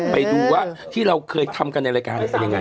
ไปดูว่าที่เราเคยทำกันในรายการเป็นยังไง